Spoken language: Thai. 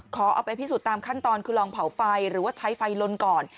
เอาไปพิสูจน์ตามขั้นตอนคือลองเผาไฟหรือว่าใช้ไฟลนก่อน